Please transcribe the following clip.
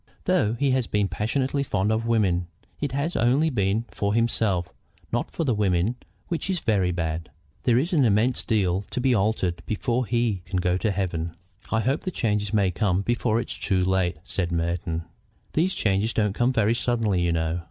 Though he has been passionately fond of women, it has only been for himself, not for the women, which is very bad. There is an immense deal to be altered before he can go to heaven." "I hope the change may come before it is too late," said Merton. "These changes don't come very suddenly, you know.